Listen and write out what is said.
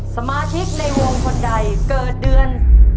สมาชิกในวงคนใดเกิดเดือน